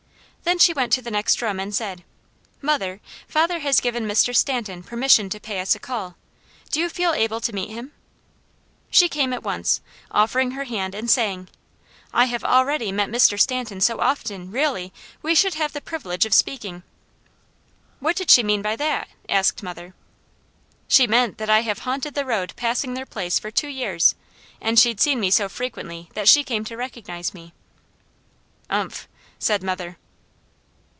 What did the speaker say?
Then she went to the next room and said: 'Mother, father has given Mr. Stanton permission to pay us a call. Do you feel able to meet him?' She came at once, offering her hand and saying: 'I have already met Mr. Stanton so often, really, we should have the privilege of speaking.'" "What did she mean by that?" asked mother. "She meant that I have haunted the road passing their place for two years, and she'd seen me so frequently that she came to recognize me." "Umph!" said mother.